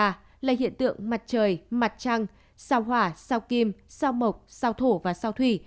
ba là hiện tượng mặt trời mặt trăng sao hỏa sao kim sao mộc sao thổ và sao thủy